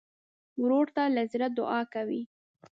ورور ته له زړه دعا کوې.